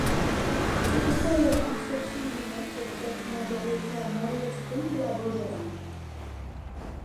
C'est pourquoi leur conception du monde reflète majoritairement l'esprit de la bourgeoisie.